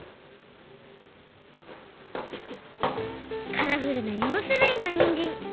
カラフルな４しゅるいのにんじん。